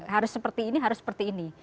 harus seperti ini harus seperti ini